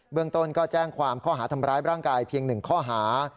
เมืองต้นก็แจ้งความข้อหาทำร้ายร่างกายเพียง๑ข้อหา